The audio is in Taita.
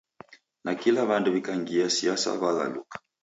Nakila w'andu w'ikangia siasa w'aghaluka